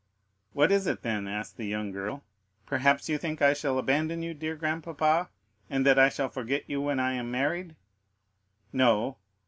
"What is it, then?" asked the young girl. "Perhaps you think I shall abandon you, dear grandpapa, and that I shall forget you when I am married?" "No."